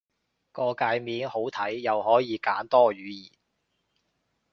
個介面好睇，又可以揀多語言